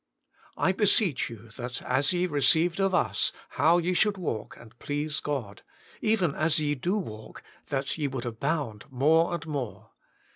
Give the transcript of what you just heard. "I beseech you, that as ye received of us, how ye should walk and please God, even as ye do walk, that ye would abound more and more."